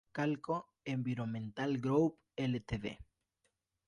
Calco Environmental Group Ltd.